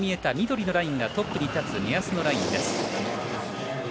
緑のラインがトップに立つ目安のラインです。